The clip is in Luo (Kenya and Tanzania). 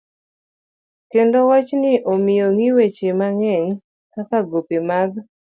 Kendo wachni omiyo ong'i weche mang'eny kaka gope mag